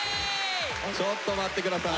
ちょっと待って下さい。